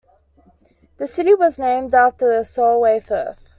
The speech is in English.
The city was named after the Solway Firth.